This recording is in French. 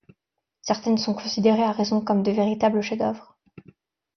Certaines sont considérées à raison comme de véritables chefs-d'œuvre.